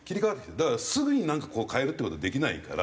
だからすぐにこう変えるって事はできないから。